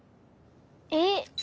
えっ？